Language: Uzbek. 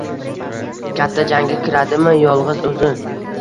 Katta jangga kiradimi yolg’iz o’zi?